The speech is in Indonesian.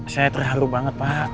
saya terharu banget pak